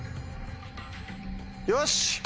よし！